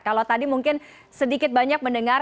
kalau tadi mungkin sedikit banyak mendengar